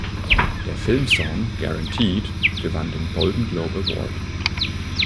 Der Filmsong "Guaranteed" gewann den Golden Globe Award.